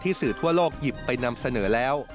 สื่อทั่วโลกหยิบไปนำเสนอแล้ว